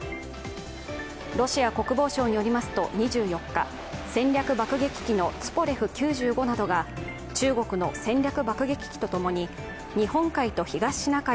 ロシア国防省によりますと２４日、戦略爆撃機のツポレフ９５などが中国の戦略爆撃機と共に日本海と東シナ海